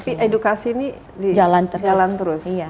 tapi edukasi ini jalan terus